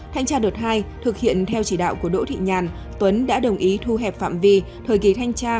thanh tra đợt hai thực hiện theo chỉ đạo của đỗ thị nhàn tuấn đã đồng ý thu hẹp phạm vi thời kỳ thanh tra